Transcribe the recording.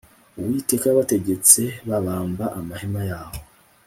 Uwiteka yabategetse babamba amahema yabo